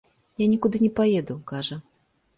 Я нікуды не паеду, кажа.